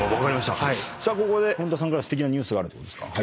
ここで本田さんからすてきなニュースがあるということですか。